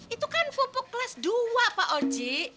itu kan pupuk kelas dua pak oji